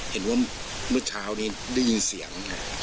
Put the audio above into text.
เห็นว่าเมื่อเช้านี้ได้ยินเสียง